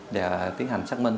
để tiến hành xác minh